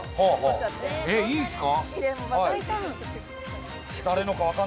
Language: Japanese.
えっいいんすか？